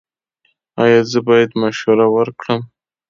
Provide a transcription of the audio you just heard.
ایا زه باید مشوره ورکړم؟